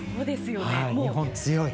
日本、強い。